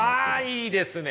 あいいですね。